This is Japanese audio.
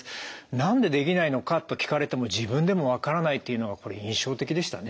「なんでできないのか」と聞かれても自分でも分からないというのはこれ印象的でしたね。